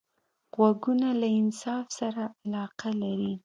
غوږونه له انصاف سره علاقه لري